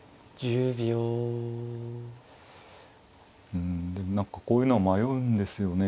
うんでも何かこういうのは迷うんですよね。